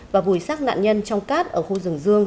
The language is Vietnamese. và bùi xác nạn nhân trong cát ở khu rừng dương